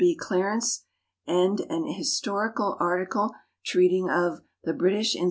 B. Clarence and an his torical article treating of "The British in